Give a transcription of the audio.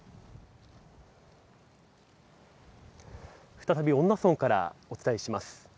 再び、恩納村からお伝えします。